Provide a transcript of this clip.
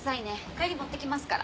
帰り持っていきますから。